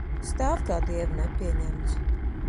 Stāv kā dieva nepieņemts.